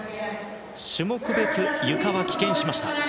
種目別ゆかは棄権しました。